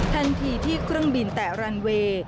ทันทีที่เครื่องบินแตะรันเวย์